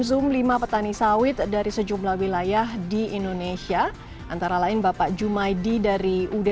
zoom lima petani sawit dari sejumlah wilayah di indonesia antara lain bapak jumaidi dari ud